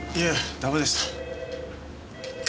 ダメでした。